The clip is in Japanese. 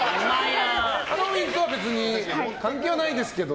ハロウィーンとは別に関係はないですけど。